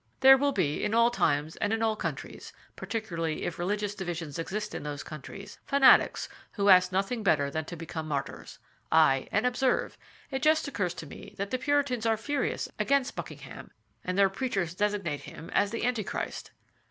"There will be, in all times and in all countries, particularly if religious divisions exist in those countries, fanatics who ask nothing better than to become martyrs. Ay, and observe—it just occurs to me that the Puritans are furious against Buckingham, and their preachers designate him as the Antichrist."